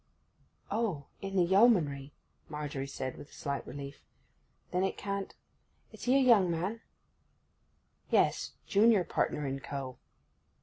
'Oh—in the Yeomanry,' Margery said, with a slight relief. 'Then it can't—is he a young man?' 'Yes, junior partner in co.